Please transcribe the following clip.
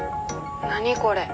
何これ？